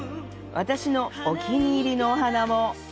私のお気に入りのお花も。